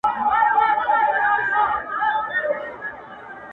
o چي په تا څه وسوله څنگه درنه هېر سول ساقي ـ